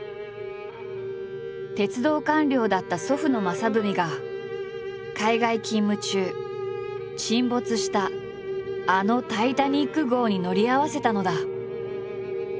鉄道官僚だった祖父の正文が海外勤務中沈没したあのタイタニック号に乗り合わせたのだ。